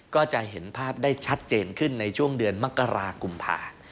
ก็จะเห็นภาพได้ชัดเจนขึ้นในช่วงเดือนมกรากุมภา